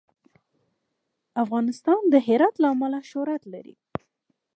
افغانستان د هرات له امله شهرت لري.